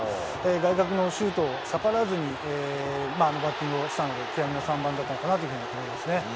外角のシュートを、逆らわずにあのバッティングをしたので、極みの３番だったかなと思いますね。